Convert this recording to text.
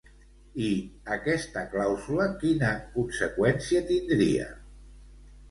I aquesta clàusula quina conseqüència tindria?